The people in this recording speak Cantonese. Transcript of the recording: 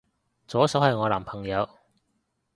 左手係我男朋友